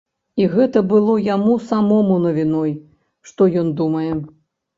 І гэта было яму самому навіной, што ён думае.